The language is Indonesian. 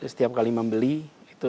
setiap kali membeli